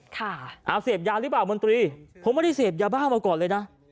ค่ะอ่าเสพยาหรือเปล่ามนตรีผมไม่ได้เสพยาบ้ามาก่อนเลยนะ